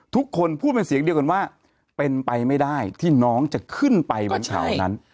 ทุกคนพูดเป็นเสียงเดียวกันว่าเป็นไปไม่ได้ที่น้องจะขึ้นไปวันเสาร์นั้น